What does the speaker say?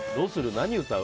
何歌う？